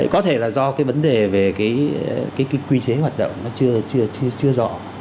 có thể là do cái vấn đề về cái quy chế hoạt động nó chưa rõ